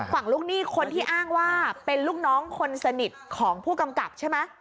ฝั่งลูกหนี้คนที่อ้างว่าเป็นลูกน้องคนสนิทของผู้กำกับใช่ไหม